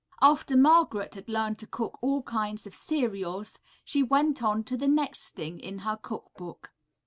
After Margaret had learned to cook all kinds of cereals, she went on to the next thing in her cook book.